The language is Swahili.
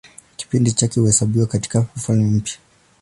Kipindi chake huhesabiwa katIka Ufalme Mpya.